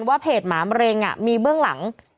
ว่าเพจหมามะเร็งมีเบื้องหลัง